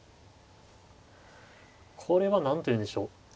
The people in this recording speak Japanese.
これは何というんでしょう